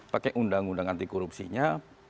pakai undang undang anti korupsinya